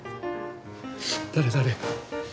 誰誰？